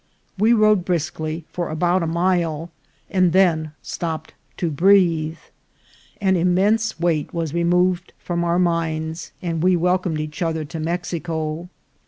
We rode briskly for about a mile, and then stopped to breathe. An immense weight was removed from our minds, and we welcomed each other to Mexico.